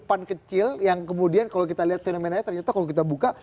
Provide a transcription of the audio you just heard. pan kecil yang kemudian kalau kita lihat fenomenanya ternyata kalau kita buka